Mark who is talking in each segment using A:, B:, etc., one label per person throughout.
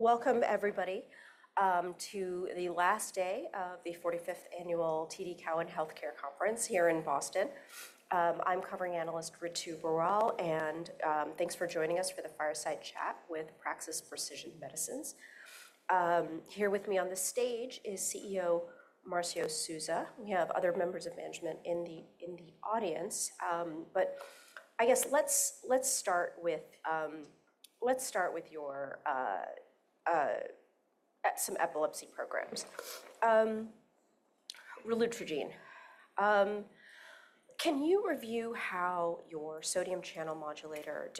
A: Welcome, everybody, to the last day of the 45th Annual TD Cowen Healthcare Conference here in Boston. I'm covering analyst Ritu Baral, and thanks for joining us for the fireside chat with Praxis Precision Medicines. Here with me on the stage is CEO Marcio Souza. We have other members of management in the audience, but I guess let's start with your some epilepsy programs. Relutrigine, can you review how your sodium channel modulators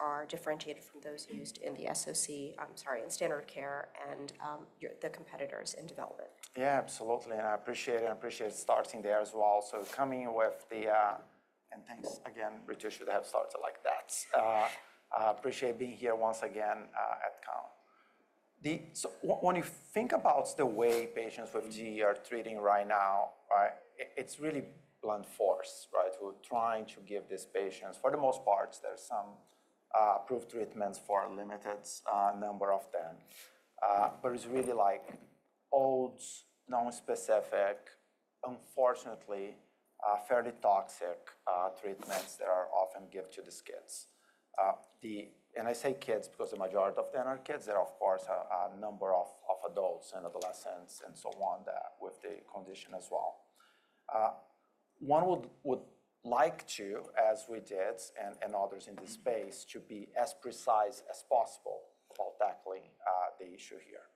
A: are differentiated from those used in the SOC, I'm sorry, in standard care, and the competitors in development?
B: Yeah, absolutely. I appreciate it. I appreciate starting there as well. Coming with the—and thanks again, Ritu, to have started like that. I appreciate being here once again at Cowen. When you think about the way patients with GE are treating right now, it's really blunt force, right? We're trying to give these patients, for the most part, there are some approved treatments for a limited number of them. It's really like old, nonspecific, unfortunately fairly toxic treatments that are often given to these kids. I say kids because the majority of them are kids. There are, of course, a number of adults and adolescents and so on with the condition as well. One would like to, as we did, and others in this space, to be as precise as possible while tackling the issue here,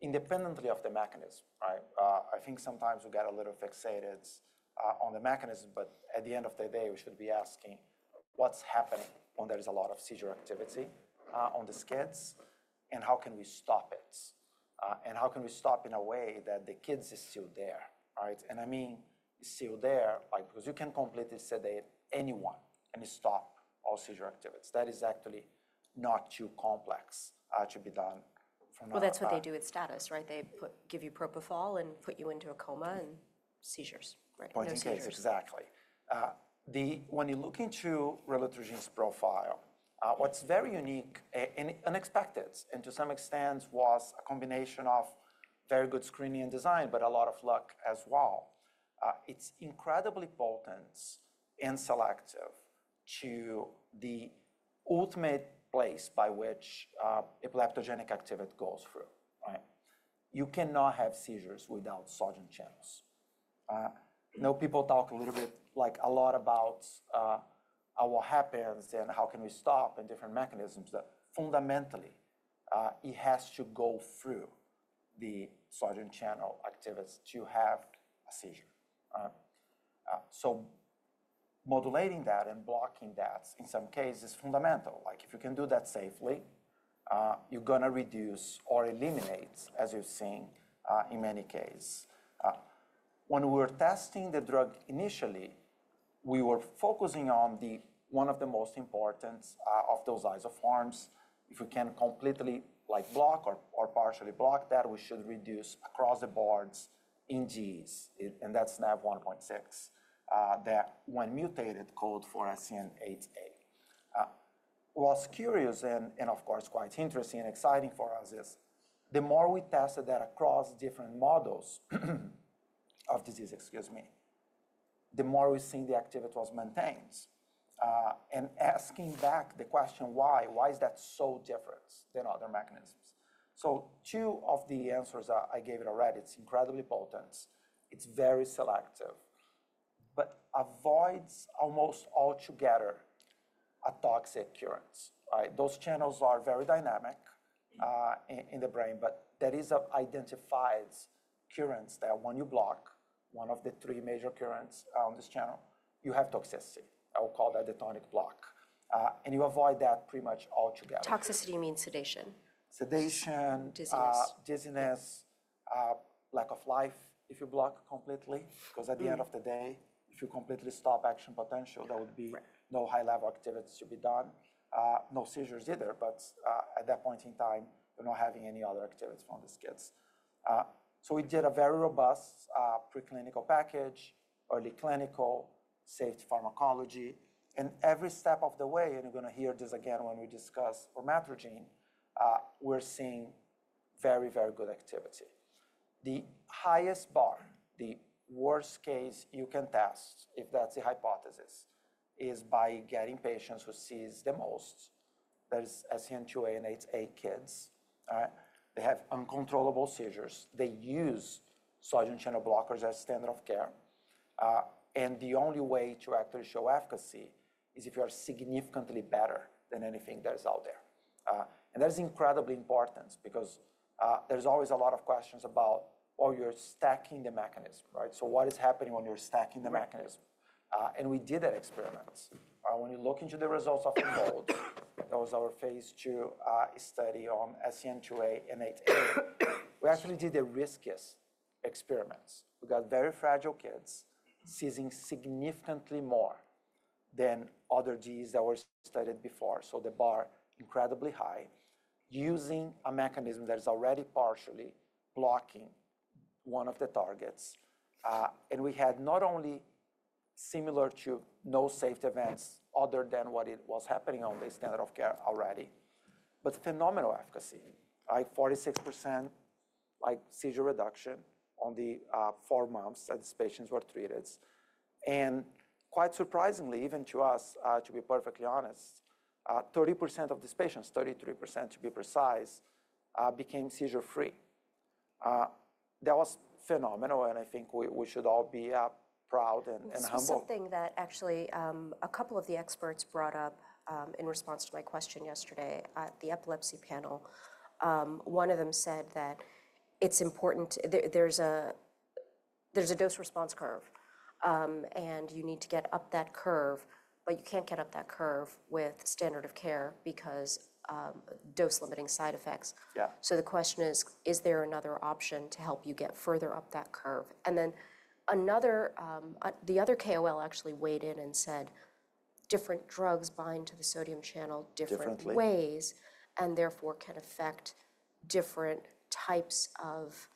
B: independently of the mechanism, right? I think sometimes we get a little fixated on the mechanism, but at the end of the day, we should be asking what's happening when there's a lot of seizure activity on these kids, and how can we stop it? And how can we stop in a way that the kids are still there, right? I mean still there because you can completely sedate anyone and stop all seizure activities. That is actually not too complex to be done from that perspective. That's what they do with status, right? They give you propofol and put you into a coma and seizures, right? Point of view, exactly. When you look into relutrigine's profile, what's very unique and unexpected, and to some extent was a combination of very good screening and design, but a lot of luck as well, it's incredibly potent and selective to the ultimate place by which epileptogenic activity goes through, right? You cannot have seizures without sodium channels. Now, people talk a little bit like a lot about what happens and how can we stop and different mechanisms that fundamentally it has to go through the sodium channel activity to have a seizure, right? Modulating that and blocking that in some cases is fundamental. Like if you can do that safely, you're going to reduce or eliminate, as you've seen in many cases. When we were testing the drug initially, we were focusing on one of the most important of those isoforms. If we can completely block or partially block that, we should reduce across the boards in GEs, and that's NAV1.6, that when mutated, called for SCN8A. What's curious and, of course, quite interesting and exciting for us is the more we tested that across different models of disease, excuse me, the more we've seen the activity was maintained. Asking back the question, why? Why is that so different than other mechanisms? Two of the answers I gave already, it's incredibly potent, it's very selective, but avoids almost altogether a toxic current, right? Those channels are very dynamic in the brain, but that is an identified current that when you block one of the three major currents on this channel, you have toxicity. I will call that the tonic block. You avoid that pretty much altogether. Toxicity means sedation. Sedation. Disease. Dizziness, lack of life if you block completely, because at the end of the day, if you completely stop action potential, there would be no high-level activities to be done. No seizures either, but at that point in time, you're not having any other activities from these kids. We did a very robust preclinical package, early clinical, safety pharmacology. Every step of the way, and you're going to hear this again when we discuss vormatrigine, we're seeing very, very good activity. The highest bar, the worst case you can test, if that's the hypothesis, is by getting patients who seize the most. That is SCN2A and SCN8A kids, all right? They have uncontrollable seizures. They use sodium channel blockers as standard of care. The only way to actually show efficacy is if you are significantly better than anything that is out there. That is incredibly important because there's always a lot of questions about, well, you're stacking the mechanism, right? What is happening when you're stacking the mechanism? We did that experiment. When you look into the results of the board, that was our phase II study on SCN2A and SCN8A. We actually did the riskiest experiments. We got very fragile kids seizing significantly more than other GEs that were studied before. The bar is incredibly high using a mechanism that is already partially blocking one of the targets. We had not only similar to no safety events other than what was happening on the standard of care already, but phenomenal efficacy, like 46% seizure reduction on the four months that these patients were treated. Quite surprisingly, even to us, to be perfectly honest, 30% of these patients, 33% to be precise, became seizure-free. That was phenomenal, and I think we should all be proud and humble. This is something that actually a couple of the experts brought up in response to my question yesterday at the epilepsy panel. One of them said that it's important there's a dose-response curve, and you need to get up that curve, but you can't get up that curve with standard of care because dose-limiting side effects. The question is, is there another option to help you get further up that curve? The other KOL actually weighed in and said different drugs bind to the sodium channel different ways, and therefore can affect different types of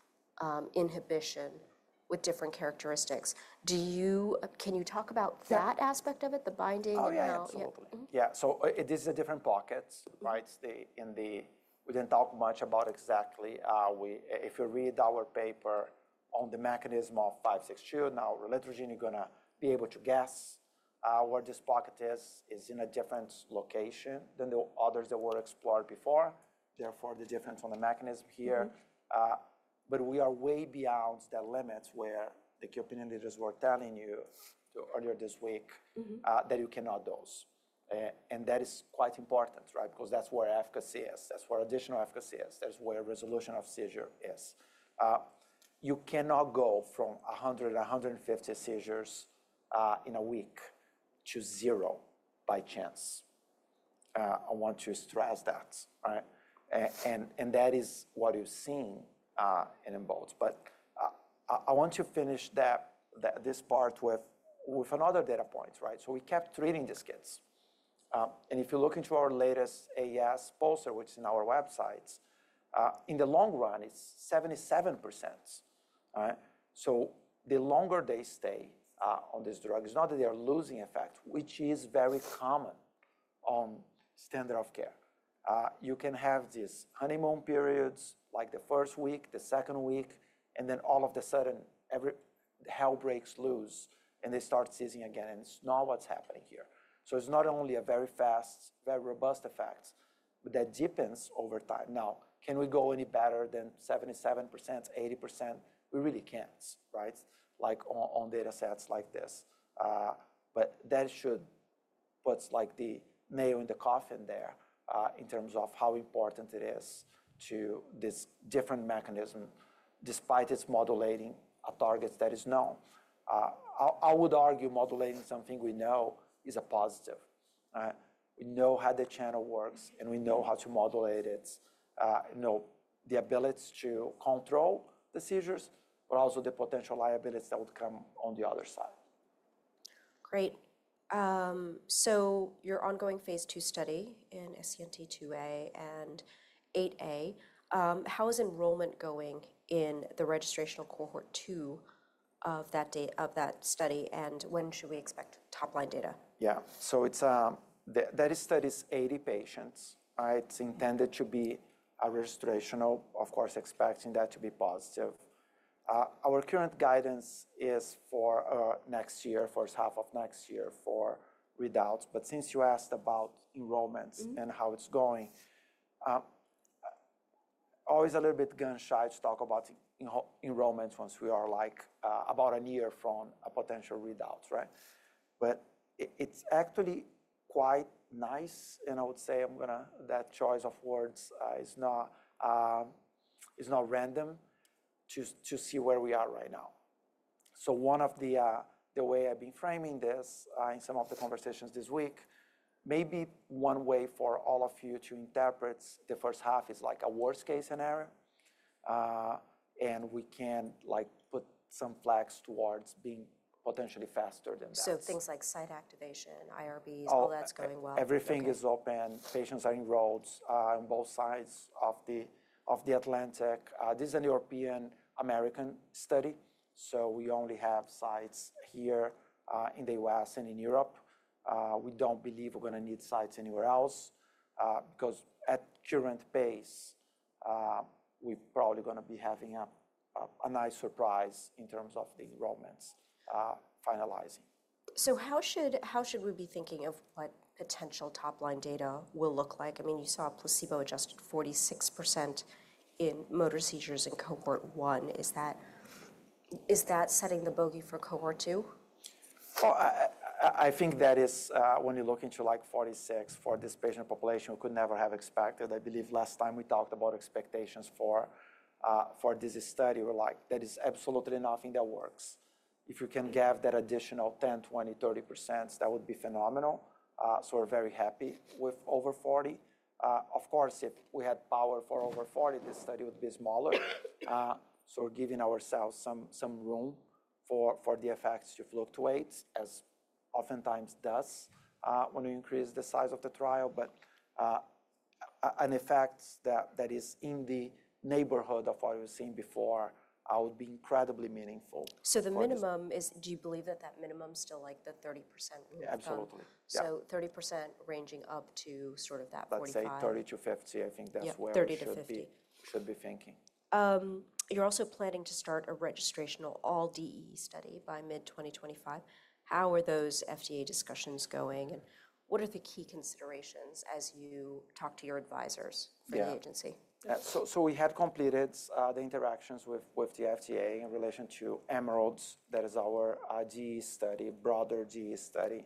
B: inhibition with different characteristics. Can you talk about that aspect of it, the binding? Oh, yeah, absolutely. Yeah, so this is a different pocket, right? We didn't talk much about exactly if you read our paper on the mechanism of 5, 6, 2, now relutrigine, you're going to be able to guess where this pocket is, is in a different location than the others that were explored before. Therefore, the difference on the mechanism here. We are way beyond the limits where the key opinion leaders were telling you earlier this week that you cannot dose. That is quite important, right? Because that's where efficacy is. That's where additional efficacy is. That's where resolution of seizure is. You cannot go from 100, 150 seizures in a week to zero by chance. I want to stress that, right? That is what you've seen in both. I want to finish this part with another data point, right? We kept treating these kids. If you look into our latest AES poster, which is on our website, in the long run, it's 77%. The longer they stay on this drug, it's not that they are losing effect, which is very common on standard of care. You can have these honeymoon periods, like the first week, the second week, and then all of a sudden, hell breaks loose, and they start seizing again, and it's not what's happening here. It's not only a very fast, very robust effect, but that deepens over time. Now, can we go any better than 77%-80%? We really can't, right? Like on data sets like this. That should put the nail in the coffin there in terms of how important it is to this different mechanism, despite its modulating targets that is known. I would argue modulating something we know is a positive, right? We know how the channel works, and we know how to modulate it, the ability to control the seizures, but also the potential liabilities that would come on the other side. Great. Your ongoing phase II study in SCN2A and 8A, how is enrollment going in the registration cohort two of that study, and when should we expect top-line data? Yeah, so that study is 80 patients, right? It's intended to be a registrational, of course, expecting that to be positive. Our current guidance is for next year, first half of next year for readouts. Since you asked about enrollments and how it's going, always a little bit gun shy to talk about enrollments once we are like about a year from a potential readout, right? It's actually quite nice, and I would say that choice of words is not random to see where we are right now. One of the ways I've been framing this in some of the conversations this week, maybe one way for all of you to interpret the first half is like a worst case scenario, and we can put some flags towards being potentially faster than that. Things like site activation, IRBs, all that's going well. Everything is open. Patients are enrolled on both sides of the Atlantic. This is a European-American study, so we only have sites here in the U.S. and in Europe. We do not believe we are going to need sites anywhere else because at current pace, we are probably going to be having a nice surprise in terms of the enrollments finalizing. How should we be thinking of what potential top-line data will look like? I mean, you saw a placebo-adjusted 46% in motor seizures in cohort one. Is that setting the bogey for cohort two? I think that is when you look into like 46 for this patient population, we could never have expected. I believe last time we talked about expectations for this study, we're like, that is absolutely nothing that works. If you can give that additional 10%, 20%, 30%, that would be phenomenal. We are very happy with over 40%. Of course, if we had power for over 40%, this study would be smaller. We are giving ourselves some room for the effects to fluctuate, as oftentimes does when we increase the size of the trial. An effect that is in the neighborhood of what we've seen before would be incredibly meaningful. Do you believe that that minimum is still like the 30%? Absolutely. Thirty percent ranging up to sort of that 45%? I'd say 30-50. I think that's where we should be thinking. You're also planning to start a registrational all DEE study by mid-2025. How are those FDA discussions going, and what are the key considerations as you talk to your advisors for the agency? We had completed the interactions with the FDA in relation to Emeralds, that is our GE study, broader GE study.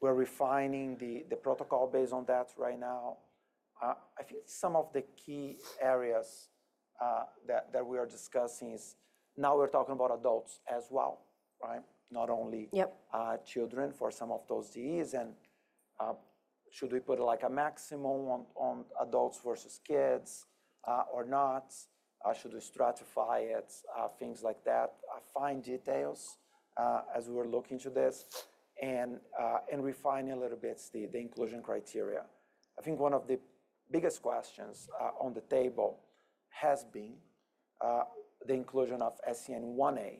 B: We're refining the protocol based on that right now. I think some of the key areas that we are discussing is now we're talking about adults as well, right? Not only children for some of those GEs. Should we put like a maximum on adults versus kids or not? Should we stratify it? Things like that. Fine details as we're looking to this and refining a little bit the inclusion criteria. I think one of the biggest questions on the table has been the inclusion of SCN1A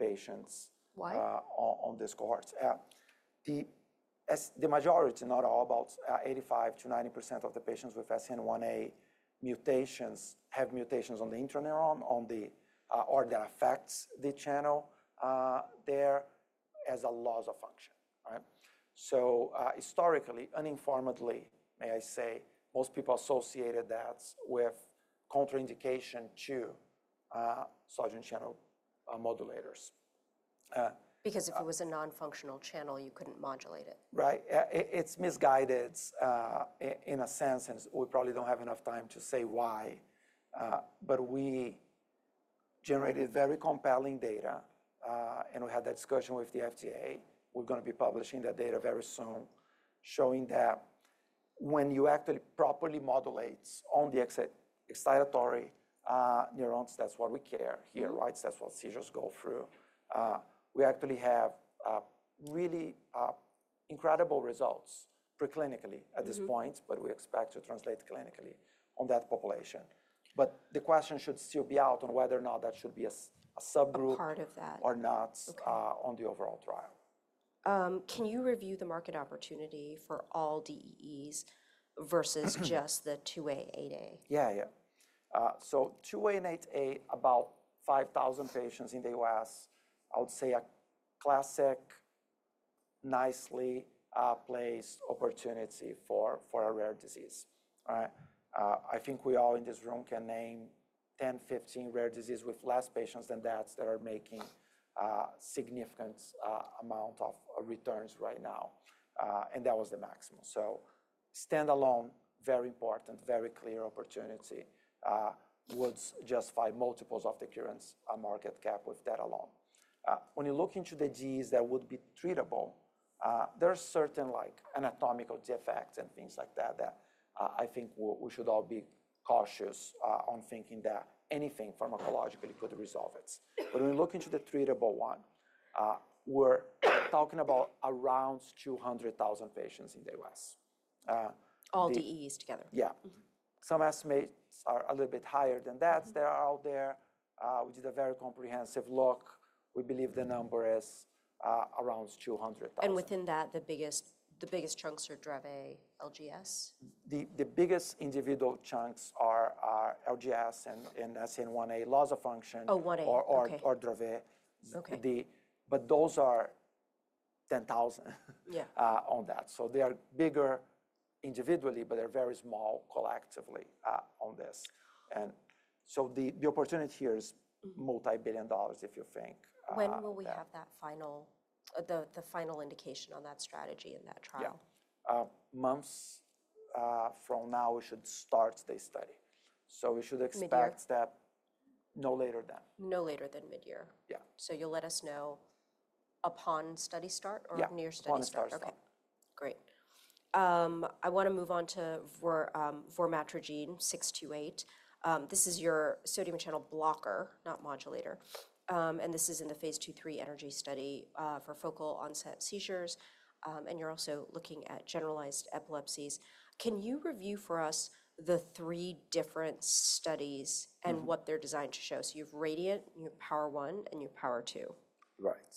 B: patients on this cohort. The majority, not all, about 85%-90% of the patients with SCN1A mutations have mutations on the intraneuron or that affect the channel there as a loss of function, right? Historically, uninformedly, may I say, most people associated that with contraindication to sodium channel modulators. Because if it was a non-functional channel, you couldn't modulate it. Right. It's misguided in a sense, and we probably don't have enough time to say why. We generated very compelling data, and we had that discussion with the FDA. We're going to be publishing that data very soon, showing that when you actually properly modulate on the excitatory neurons, that's what we care here, right? That's what seizures go through. We actually have really incredible results preclinically at this point, and we expect to translate clinically on that population. The question should still be out on whether or not that should be a subgroup or not on the overall trial. Can you review the market opportunity for all DEEs versus just the 2A8A? Yeah, yeah. 2A and 8A, about 5,000 patients in the U.S., I would say a classic, nicely placed opportunity for a rare disease, right? I think we all in this room can name 10, 15 rare diseases with fewer patients than that that are making significant amounts of returns right now. That was the maximum. Standalone, very important, very clear opportunity would justify multiples of the current market cap with that alone. When you look into the GEs that would be treatable, there are certain anatomical defects and things like that that I think we should all be cautious on thinking that anything pharmacologically could resolve it. When you look into the treatable one, we're talking about around 200,000 patients in the U.S. All DEEs together. Yeah. Some estimates are a little bit higher than that that are out there. We did a very comprehensive look. We believe the number is around 200,000. Within that, the biggest chunks are Dravet, LGS? The biggest individual chunks are LGS and SCN1A, loss of function. Oh, 1A, okay. Dravet. Those are 10,000 on that. They are bigger individually, but they are very small collectively on this. The opportunity here is multi-billion dollars, if you think. When will we have the final indication on that strategy in that trial? Months from now, we should start the study. We should expect that no later than. No later than mid-year. Yeah. You'll let us know upon study start or near study start? Upon study start, yeah. Okay. Great. I want to move on to Vormatrigine 628. This is your sodium channel blocker, not modulator. This is in the phase II-III Energy study for focal onset seizures. You are also looking at generalized epilepsies. Can you review for us the three different studies and what they are designed to show? You have Radiant, you have Power One, and you have Power Two. Right.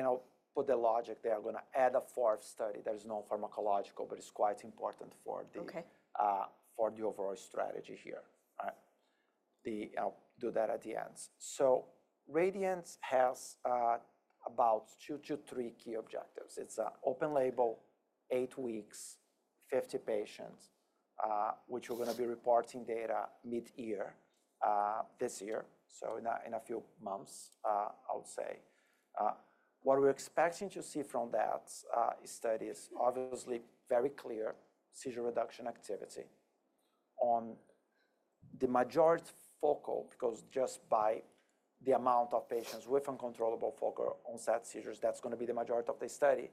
B: I'll put the logic there. I'm going to add a fourth study. There's no pharmacological, but it's quite important for the overall strategy here. I'll do that at the end. Radiant has about two to three key objectives. It's an open label, eight weeks, 50 patients, which we're going to be reporting data mid-year this year, in a few months, I would say. What we're expecting to see from that study is obviously very clear seizure reduction activity on the majority focal, because just by the amount of patients with uncontrollable focal onset seizures, that's going to be the majority of the study.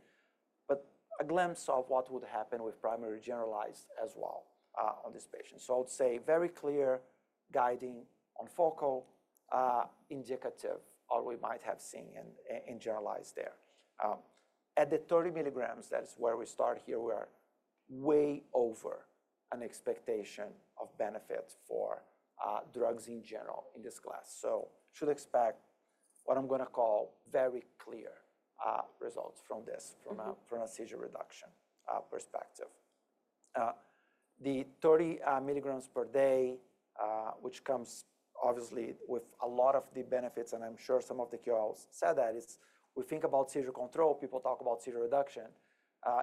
B: A glimpse of what would happen with primary generalized as well on these patients. I would say very clear guiding on focal indicative or we might have seen in generalized there. At the 30 milligrams, that's where we start here. We are way over an expectation of benefit for drugs in general in this class. You should expect what I'm going to call very clear results from this from a seizure reduction perspective. The 30 milligrams per day, which comes obviously with a lot of the benefits, and I'm sure some of the QLs said that, is we think about seizure control. People talk about seizure reduction.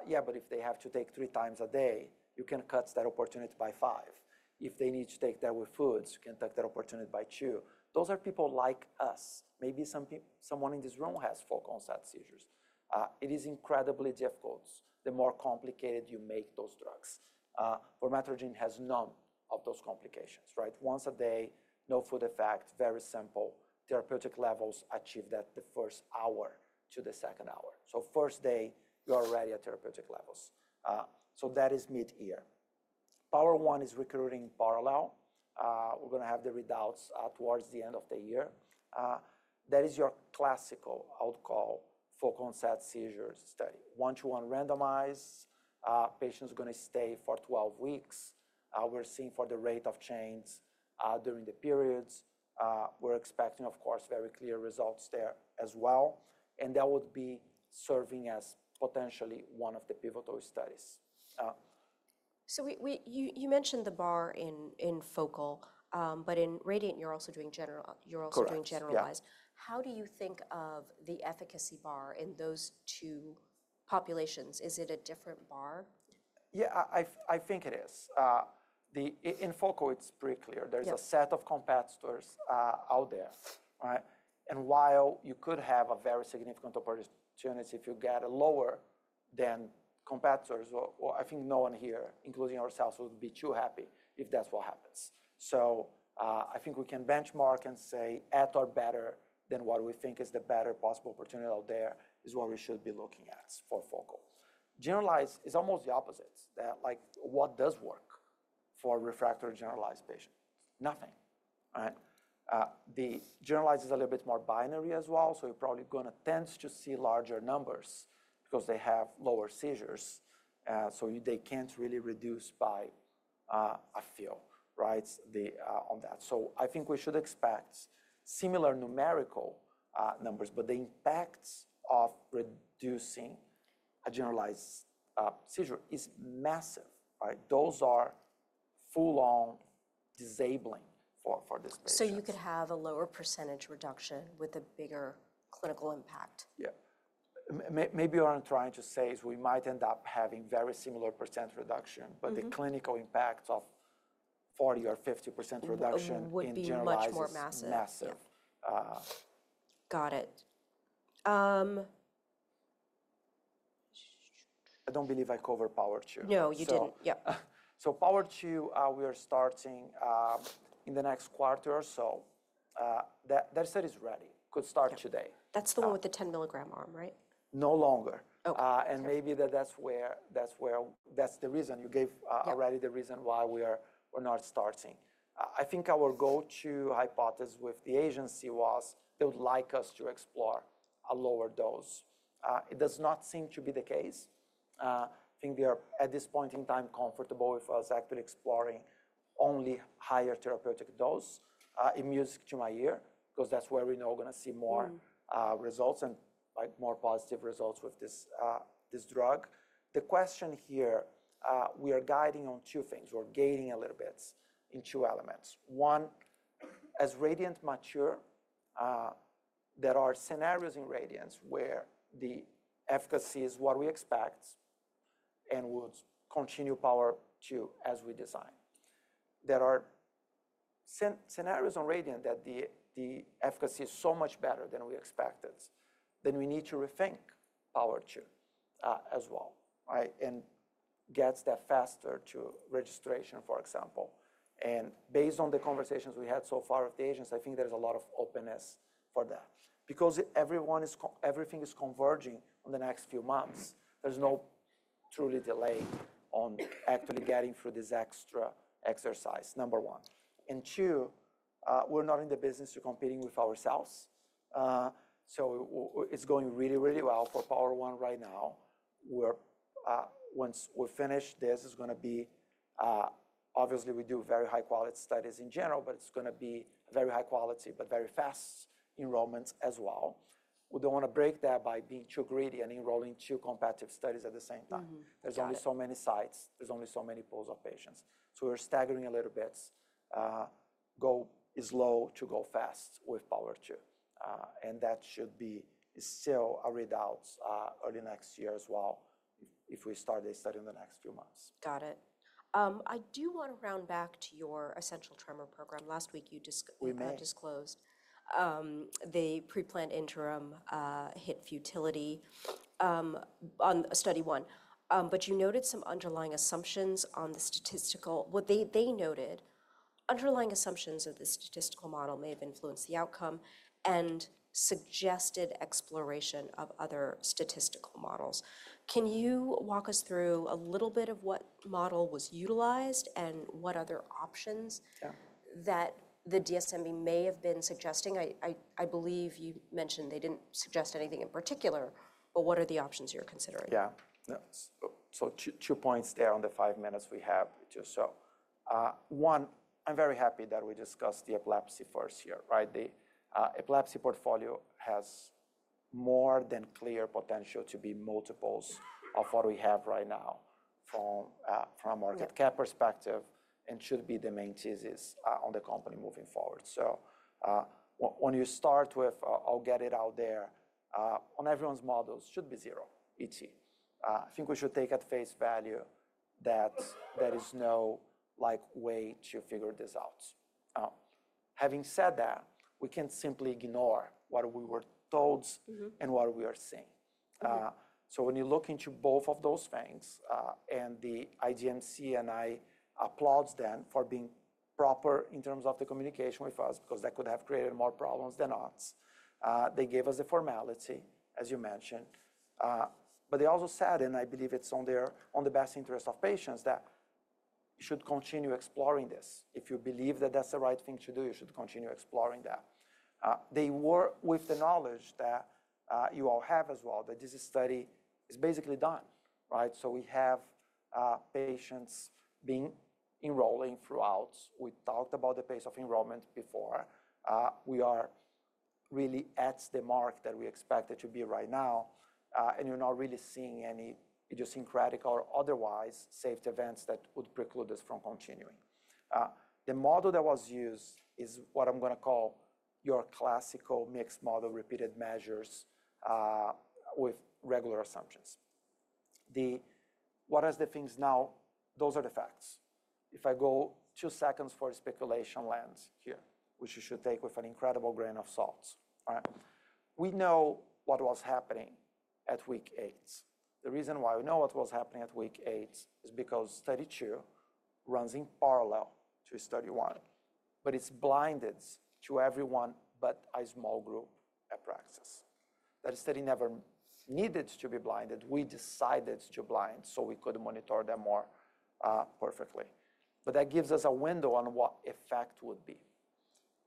B: Yeah, but if they have to take three times a day, you can cut that opportunity by five. If they need to take that with foods, you can take that opportunity by two. Those are people like us. Maybe someone in this room has focal onset seizures. It is incredibly difficult. The more complicated you make those drugs. Vormatrigine has none of those complications, right? Once a day, no food effect, very simple. Therapeutic levels achieve that the first hour to the second hour. First day, you are already at therapeutic levels. That is mid-year. Power One is recruiting parallel. We're going to have the readouts towards the end of the year. That is your classical, I would call, focal onset seizures study. One-to-one randomized. Patients are going to stay for 12 weeks. We're seeing for the rate of change during the periods. We're expecting, of course, very clear results there as well. That would be serving as potentially one of the pivotal studies. You mentioned the bar in focal, but in Radiant, you're also doing generalized. How do you think of the efficacy bar in those two populations? Is it a different bar? Yeah, I think it is. In focal, it's pretty clear. There's a set of competitors out there, right? While you could have a very significant opportunity if you get lower than competitors, I think no one here, including ourselves, would be too happy if that's what happens. I think we can benchmark and say at or better than what we think is the better possible opportunity out there is what we should be looking at for focal. Generalized is almost the opposite. What does work for refractory generalized patients? Nothing, right? The generalized is a little bit more binary as well. You're probably going to tend to see larger numbers because they have lower seizures. They can't really reduce by a few, right, on that. I think we should expect similar numerical numbers, but the impact of reducing a generalized seizure is massive, right? Those are full-on disabling for this patient. You could have a lower percentage reduction with a bigger clinical impact. Yeah. Maybe what I'm trying to say is we might end up having very similar percentage reduction, but the clinical impact of 40% or 50% reduction in generalized is massive. Got it. I don't believe I covered Power Two. No, you didn't. Yeah. Power Two, we are starting in the next quarter or so. That study is ready. Could start today. That's the one with the 10 milligram arm, right? No longer. Maybe that's the reason you gave already, the reason why we are not starting. I think our go-to hypothesis with the agency was they would like us to explore a lower dose. It does not seem to be the case. I think they are at this point in time comfortable with us actually exploring only higher therapeutic dose, immune to my ear, because that's where we know we're going to see more results and more positive results with this drug. The question here, we are guiding on two things. We're gating a little bit in two elements. One, as Radiant mature, there are scenarios in Radiant where the efficacy is what we expect and would continue Power Two as we design. There are scenarios on Radiant that the efficacy is so much better than we expected, then we need to rethink Power Two as well, right? Get that faster to registration, for example. Based on the conversations we had so far with the agents, I think there's a lot of openness for that. Because everything is converging in the next few months, there's no truly delay on actually getting through this extra exercise, number one. Two, we're not in the business of competing with ourselves. It's going really, really well for Power One right now. Once we finish this, it's going to be, obviously, we do very high-quality studies in general, but it's going to be very high-quality, but very fast enrollments as well. We don't want to break that by being too greedy and enrolling two competitive studies at the same time. There's only so many sites. There's only so many pools of patients. We're staggering a little bit. Go slow to go fast with Power Two. That should be still a readout early next year as well if we start this study in the next few months. Got it. I do want to round back to your essential tremor program. Last week, you disclosed the preplanned interim hit futility on study one. You noted some underlying assumptions on the statistical, what they noted, underlying assumptions of the statistical model may have influenced the outcome and suggested exploration of other statistical models. Can you walk us through a little bit of what model was utilized and what other options that the DSMB may have been suggesting? I believe you mentioned they did not suggest anything in particular, but what are the options you are considering? Yeah. Two points there on the five minutes we have just so. One, I'm very happy that we discussed the epilepsy first year, right? The epilepsy portfolio has more than clear potential to be multiples of what we have right now from a market cap perspective and should be the main thesis on the company moving forward. When you start with, I'll get it out there, on everyone's models should be zero, ET. I think we should take at face value that there is no way to figure this out. Having said that, we can't simply ignore what we were told and what we are seeing. When you look into both of those things and the IDMC, and I applaud them for being proper in terms of the communication with us, because that could have created more problems than odds. They gave us the formality, as you mentioned. They also said, and I believe it's in the best interest of patients, that you should continue exploring this. If you believe that that's the right thing to do, you should continue exploring that. They were with the knowledge that you all have as well, that this study is basically done, right? We have patients being enrolling throughout. We talked about the pace of enrollment before. We are really at the mark that we expected to be right now. You're not really seeing any idiosyncratic or otherwise safety events that would preclude us from continuing. The model that was used is what I'm going to call your classical mixed model repeated measures with regular assumptions. What are the things now? Those are the facts. If I go two seconds for speculation lens here, which you should take with an incredible grain of salt, all right? We know what was happening at week eight. The reason why we know what was happening at week eight is because study two runs in parallel to study one, but it is blinded to everyone but a small group at Praxis. That study never needed to be blinded. We decided to blind so we could monitor them more perfectly. That gives us a window on what effect would be.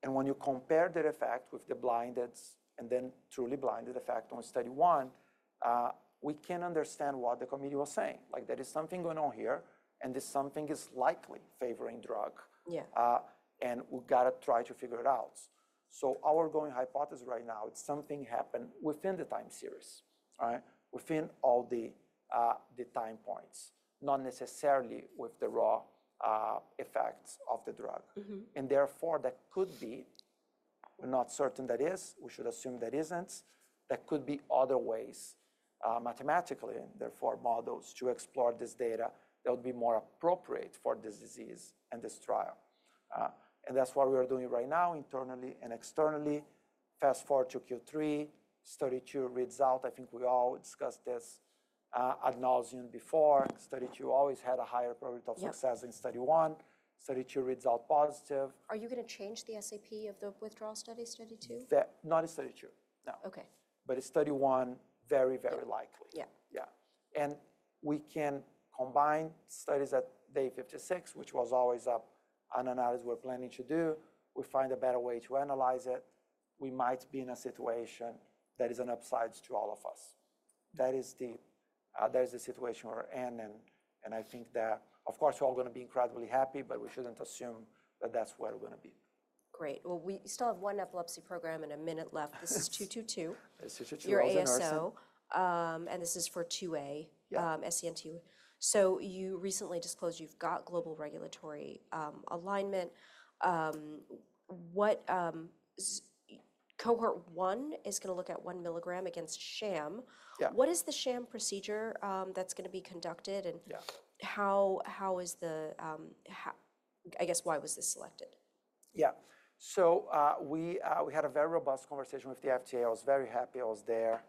B: When you compare the effect with the blinded and then truly blinded effect on study one, we can understand what the committee was saying. Like there is something going on here, and this something is likely favoring drug. We have got to try to figure it out. Our going hypothesis right now, it's something happened within the time series, all right? Within all the time points, not necessarily with the raw effects of the drug. Therefore, that could be we're not certain that is. We should assume that isn't. There could be other ways mathematically, therefore models to explore this data that would be more appropriate for this disease and this trial. That's what we are doing right now internally and externally. Fast forward to Q3, study two reads out. I think we all discussed this. Ad nauseam before, study two always had a higher probability of success than study one. Study two reads out positive. Are you going to change the SAP of the withdrawal study two? Not in study two. No. In study one, very, very likely. Yeah. We can combine studies at day 56, which was always an analysis we're planning to do. If we find a better way to analyze it, we might be in a situation that is an upside to all of us. That is the situation we're in. I think that, of course, we're all going to be incredibly happy, but we shouldn't assume that that's where we're going to be. Great. We still have one epilepsy program and a minute left. This is 222. This is 222. Your ASO. And this is for 2A SCN2A. You recently disclosed you've got global regulatory alignment. Cohort one is going to look at 1 milligram against sham. What is the sham procedure that's going to be conducted? And how is the, I guess, why was this selected? Yeah. We had a very robust conversation with the FDA. I was very happy I was there.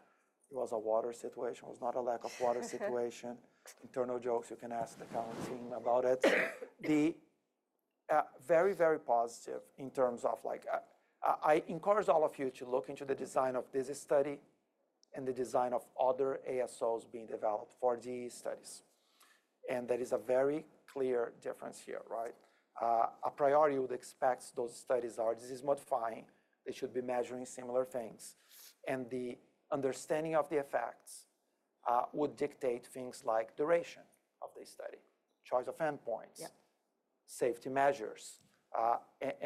B: It was a water situation. It was not a lack of water situation. Internal jokes. You can ask the current team about it. Very, very positive in terms of I encourage all of you to look into the design of this study and the design of other ASOs being developed for these studies. There is a very clear difference here, right? A priori, you would expect those studies are disease modifying. They should be measuring similar things. The understanding of the effects would dictate things like duration of the study, choice of endpoints, safety measures.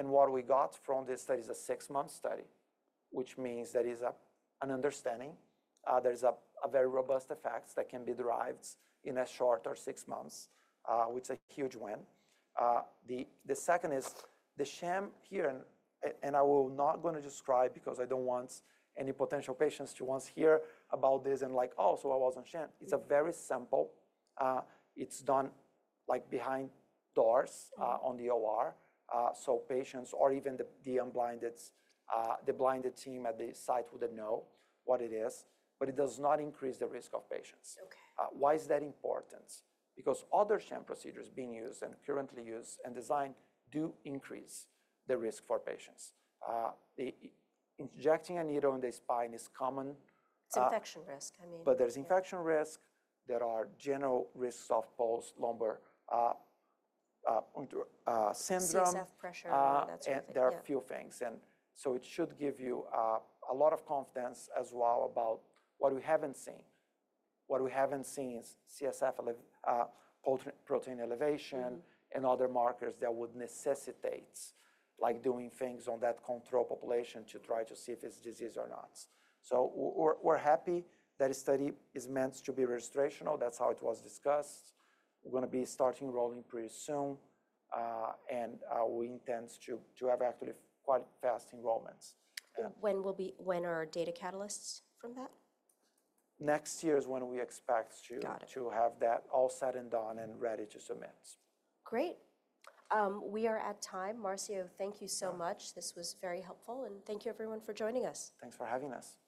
B: What we got from this study is a six-month study, which means there is an understanding. There's a very robust effect that can be derived in as short as six months, which is a huge win. The second is the sham here, and I will not going to describe because I don't want any potential patients to want to hear about this and like, oh, so I was on sham. It's very simple. It's done behind doors in the OR. Patients or even the blinded team at the site wouldn't know what it is. It does not increase the risk of patients. Why is that important? Because other sham procedures being used and currently used and designed do increase the risk for patients. Injecting a needle in the spine is common. It's infection risk, I mean. There is infection risk. There are general risks of post-lumbar syndrome. CSF pressure. There are a few things. It should give you a lot of confidence as well about what we haven't seen. What we haven't seen is CSF protein elevation and other markers that would necessitate doing things on that control population to try to see if it's disease or not. We are happy that this study is meant to be registrational. That's how it was discussed. We are going to be starting enrolling pretty soon. We intend to have actually quite fast enrollments. When are data catalysts from that? Next year is when we expect to have that all set and done and ready to submit. Great. We are at time. Marcio, thank you so much. This was very helpful. Thank you, everyone, for joining us. Thanks for having us.